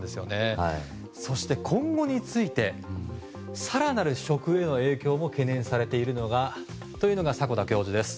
そして、今後について更なる食への影響も懸念されていると言うのが迫田教授です。